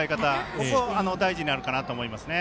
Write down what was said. ここが大事になると思います。